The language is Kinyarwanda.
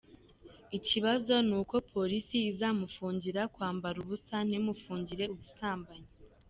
Ikibazo nuko Police izamufungira kwambara ubusa, ntimufungire ubusambanyi.